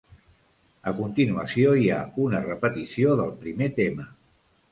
A continuació hi ha una repetició del primer tema.